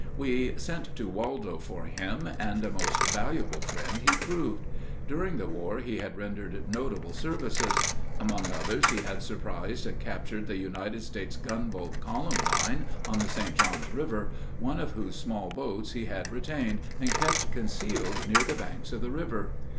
We sent to Waldo for him, and a most valuable friend he proved. During the war he had rendered notable services; among others he had surprised and captured the United States gunboat Columbine on the St. John's River, one of whose small boats he had retained, and kept concealed near the banks of the river.